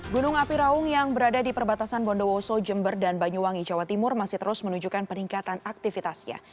gunung api raung yang berada di perbatasan bondowoso jember dan banyuwangi jawa timur masih terus menunjukkan peningkatan aktivitasnya